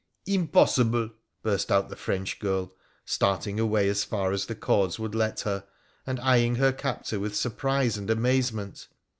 ' Impossible !' burst out the French girl, starting away as far as the cords would let her, and eyeing her captor with surprise and amazement.